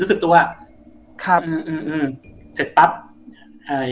รู้สึกตัวครับอืมอืมเสร็จปั๊บเอ่อ